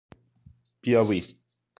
Piauí